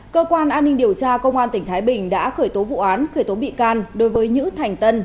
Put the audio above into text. cơ quan an ninh điều tra công an tỉnh thái bình đã khởi tố vụ án khởi tố bị can đối với nhữ thành tân